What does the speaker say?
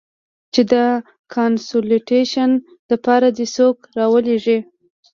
چې د کانسولټېشن د پاره دې څوک ارولېږي.